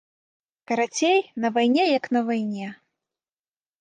Карацей, на вайне як на вайне.